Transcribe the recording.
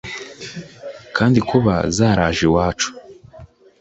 kandi kuba zaraje iwacu